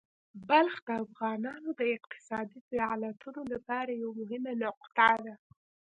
بلخ د افغانانو د اقتصادي فعالیتونو لپاره یوه مهمه نقطه ده.